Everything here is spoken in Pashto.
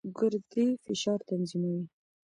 ګردې فشار تنظیموي.